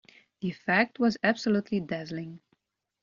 The effect was absolutely dazzling.